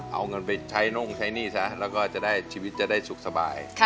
เอาเงินไปใช้น่งใช้หนี้ซะแล้วก็จะได้ชีวิตจะได้สุขสบาย